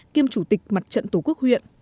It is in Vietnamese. kiêm chủ tịch mặt trận tổ quốc huyện